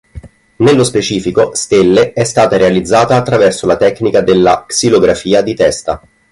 Nello specifico, "Stelle" è stata realizzata attraverso la tecnica della xilografia di testa.